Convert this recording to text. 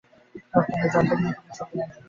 বাপরে, আমি জানতাম না তোমরা সবাই আসবে।